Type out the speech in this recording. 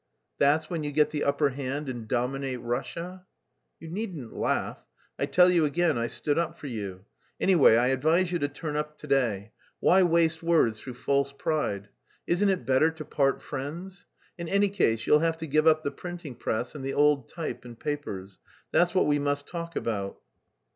"That's when you get the upper hand and dominate Russia?" "You needn't laugh. I tell you again, I stood up for you. Anyway, I advise you to turn up to day. Why waste words through false pride? Isn't it better to part friends? In any case you'll have to give up the printing press and the old type and papers that's what we must talk about."